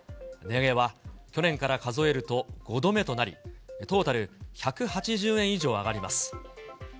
値上げは去年から数えると５度目となり、トータル１８０円以上上がります。